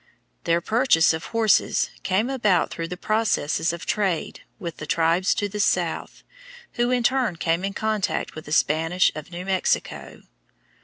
Their purchase of horses came about through the processes of trade with the tribes to the south, who in turn came in contact with the Spanish of New Mexico.